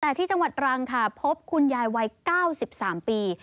แต่ที่จังหวัดรังค่ะพบคุณยายวัย๙๓ปี